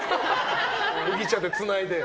麦茶でつないで。